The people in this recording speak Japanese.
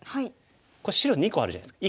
白２個あるじゃないですか。